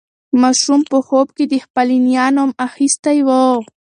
ماشوم په خوب کې د خپلې نیا نوم اخیستی و.